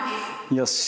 よし。